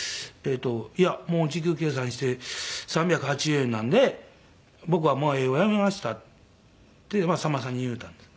「いやもう時給計算して３８０円なんで僕はもう絵を辞めました」ってさんまさんに言うたんです。